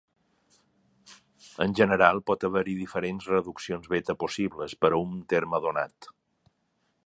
En general, pot haver-hi diferents reduccions beta possibles per a un terme donat.